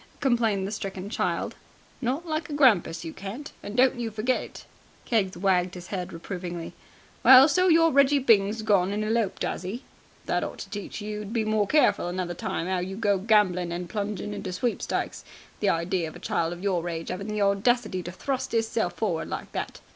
complained the stricken child. "Not like a grampus you can't, and don't you forget it." Keggs wagged his head reprovingly. "Well, so your Reggie Byng's gone and eloped, has he! That ought to teach you to be more careful another time 'ow you go gambling and plunging into sweepstakes. The idea of a child of your age 'aving the audacity to thrust 'isself forward like that!"